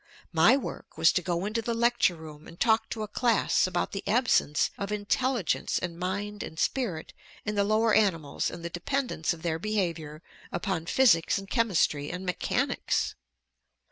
My work was to go into the lecture room and talk to a class about the absence of intelligence and mind and spirit in the lower animals and the dependence of their behavior upon physics and chemistry and mechanics!